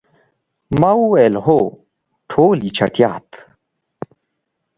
ما وویل، هو، ټولې چټیات.